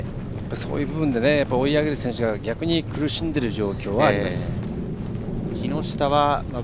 そういう部分で追い上げてる選手が逆に苦しんでいる状況はあります。